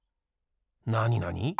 なになに？